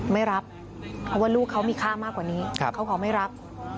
ไม่รับเพราะว่าลูกเขามีค่ามากกว่านี้เขาขอไม่รับ